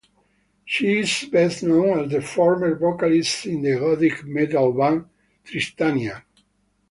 She is best known as the former vocalist in the gothic metal band, Tristania.